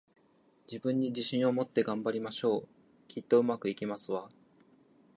自分に自信を持って、頑張りましょう！きっと、上手くいきますわ